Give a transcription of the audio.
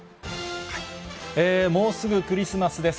もうすぐクリスマスです。